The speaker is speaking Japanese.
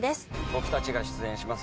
僕たちが出演します